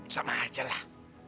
sama aja lah